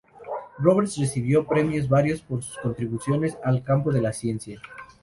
Roberts recibió premios varios por sus contribuciones al campo de la ciencia.